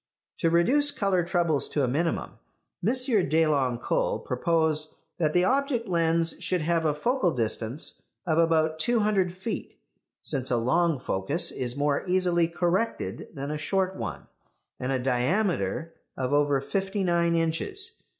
To reduce colour troubles to a minimum M. Deloncle proposed that the object lens should have a focal distance of about two hundred feet, since a long focus is more easily corrected than a short one, and a diameter of over fifty nine inches.